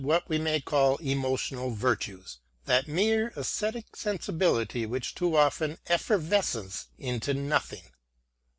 SAMUEL JOHNSON 39 what we may call emotional virtues, that mere aesthetic sensibility which too often effervesces into nothing.